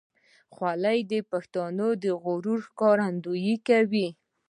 خولۍ د پښتني غرور ښکارندویي کوي.